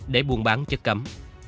để buôn bán chất cấm